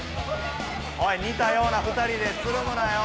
おいにたような２人でつるむなよ！